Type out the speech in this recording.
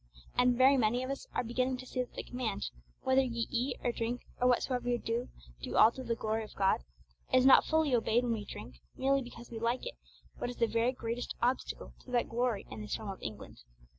And very many of us are beginning to see that the command, 'Whether ye eat or drink, or whatsoever ye do, do all to the glory of God,' is not fully obeyed when we drink, merely because we like it, what is the very greatest obstacle to that glory in this realm of England.